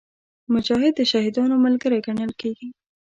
مجاهد د شهیدانو ملګری ګڼل کېږي.